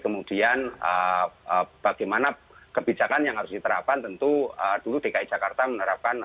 kemudian bagaimana kebijakan yang harus diterapkan tentu dulu dki jakarta menerapkan